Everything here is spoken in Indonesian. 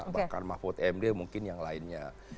bahkan mahfud md mungkin yang lainnya